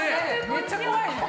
めっちゃ怖いね。